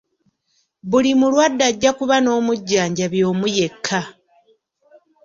Buli mulwadde ajja kuba n'omujjanjabi omu yekka.